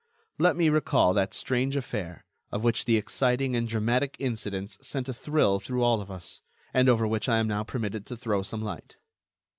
Let me recall that strange affair, of which the exciting and dramatic incidents sent a thrill through all of us, and over which I am now permitted to throw some light.